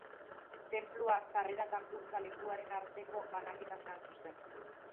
Tenplua, sarrera eta gurtza lekuaren arteko banaketa sartu zen.